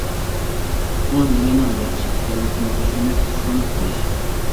ئۇ نېمىنىڭ ياخشى ئىكەنلىكىنى چۈشىنىپ، شۇنى قىلىش.